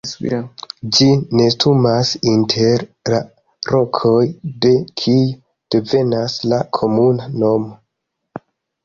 Ĝi nestumas inter la rokoj de kio devenas la komuna nomo.